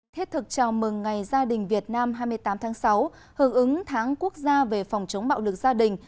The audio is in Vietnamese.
thiết thực chào mừng ngày gia đình việt nam hai mươi tám tháng sáu hợp ứng tháng quốc gia về phòng chống bạo lực gia đình